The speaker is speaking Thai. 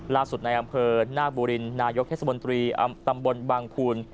ล่าสุดในอำเภอหน้ากบุรินนายกเทศบนตรีอำบลบางภูล